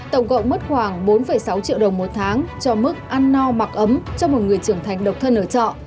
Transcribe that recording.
tổng cộng mất khoảng bốn sáu triệu đồng một tháng cho mức ăn no mặc ấm cho một người trưởng thành độc thân ở trọ